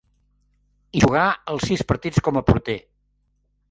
Hi jugà els sis partits com a porter.